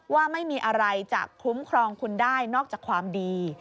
ว่าไม่มีอะไรจะคุ้มครองคุณได้นอกจากความดี